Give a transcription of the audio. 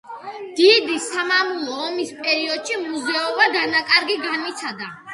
დიდი სამამულო ომის პერიოდში მუზეუმმა დანაკარგი განიცადა.